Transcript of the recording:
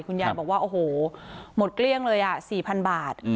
คุณยายบอกว่าโอ้โหหมดเกลี้ยงเลยอ่ะสี่พันบาทอืม